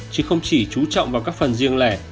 chứ không chỉ trú trọng vào các phần riêng lẻ